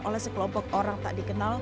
oleh sekelompok orang tak dikenal